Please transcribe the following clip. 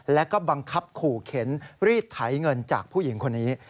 แล้วก็บังคับขู่เข็นรีดไถเงินจากผู้หญิงคนนี้